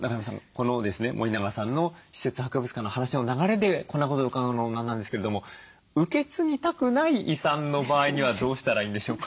この森永さんの私設博物館の話の流れでこんなことを伺うのも何なんですけれども受け継ぎたくない遺産の場合にはどうしたらいいんでしょうか？